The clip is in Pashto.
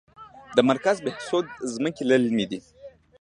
د مرکز بهسود ځمکې للمي دي